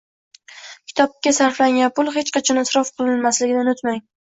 Kitobga sarflangan pul hech qachon isrof qilinmasligini unutmang!